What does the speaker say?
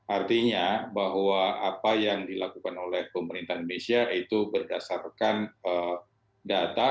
artinya bahwa apa yang dilakukan oleh pemerintah indonesia itu berdasarkan data